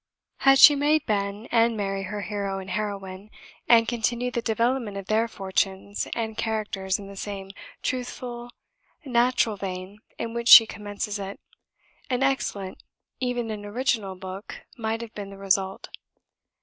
Had she made Ben and Mary her hero and heroine, and continued the development of their fortunes and characters in the same truthful natural vein in which she commences it, an excellent, even an original, book might have been the result.